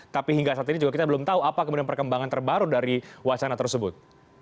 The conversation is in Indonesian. tapi hingga saat ini juga kita belum tahu apa kemudian perkembangan terbaru dari wacana tersebut